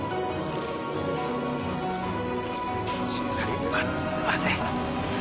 １０月末まで。